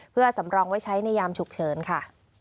เพื่อสำรองไว้ใช้ในยามฉุกเฉินค่ะ